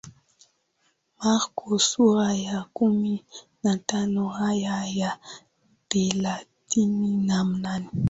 Marko sura ya kumi na tano aya ya thelathini na nne